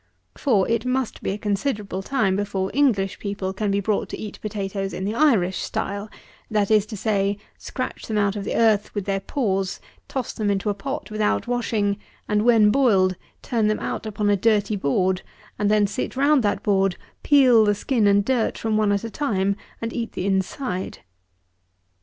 For it must be a considerable time before English people can be brought to eat potatoes in the Irish style; that is to say, scratch them out of the earth with their paws, toss them into a pot without washing, and when boiled, turn them out upon a dirty board, and then sit round that board, peel the skin and dirt from one at a time and eat the inside.